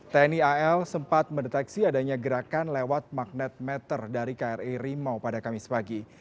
tni al sempat mendeteksi adanya gerakan lewat magnet meter dari kri rimau pada kamis pagi